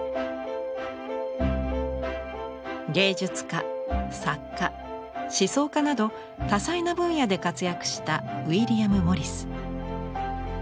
芸術家作家思想家など多彩な分野で活躍したウィリアム・モリス。